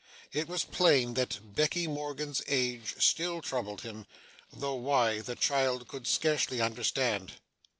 It was plain that Becky Morgan's age still troubled him; though why, the child could scarcely understand.